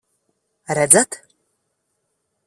Redzat?